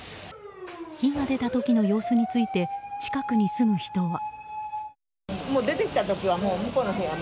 火が出た時の様子について近くに住む人は。